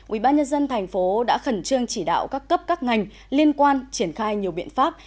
ubnd thành phố đã khẩn trương chỉ đạo các cấp các ngành liên quan triển khai nhiều biện pháp